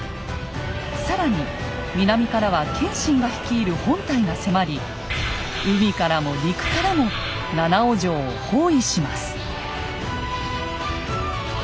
更に南からは謙信が率いる本隊が迫り海からも陸からも七尾城を包囲します。